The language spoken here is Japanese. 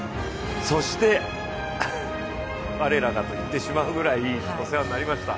そして我らがと言ってしまうぐらいお世話になりました